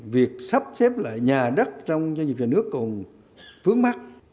việc sắp xếp lại nhà đất trong doanh nghiệp nhà nước còn vướng mắt